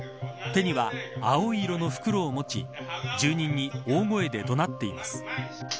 手には青色の袋を持ち住人に大声で怒鳴っています。